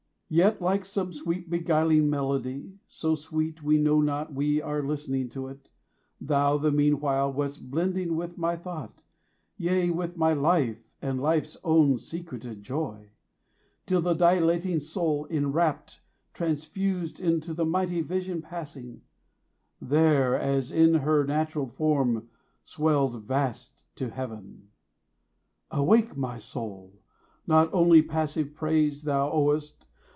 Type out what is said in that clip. Yet, like some sweet beguiling melody, So sweet, we know not we are listening to it, Thou, the meanwhile, wast blending with my Thought, Yea, with my Life and Life's own secret joy: 20 Till the dilating Soul, enrapt, transfused, Into the mighty vision passing there As in her natural form, swelled vast to Heaven! Awake, my soul! not only passive praise Thou owest!